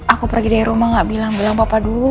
aku pergi dari rumah gak bilang bilang bapak dulu